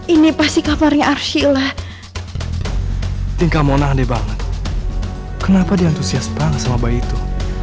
ini pasti kamarnya arsila tingkah mona andai banget kenapa di antusias banget sama bayi itu